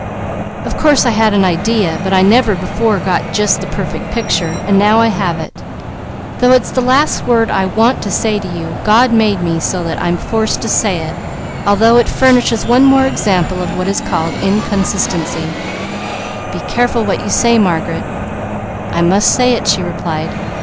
"Of course I had an idea, but I never before got just the perfect picture, and now I have it, though it's the last word I want to say to you, God made me so that I'm forced to say it, although it furnishes one more example of what is called inconsistency." "Be careful what you say, Margaret!" "I must say it," she replied.